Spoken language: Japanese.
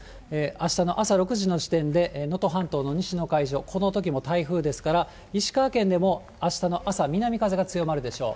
あしたの朝６時の時点で、能登半島の西の海上、このときも台風ですから、石川県でもあしたの朝、南風が強まるでしょう。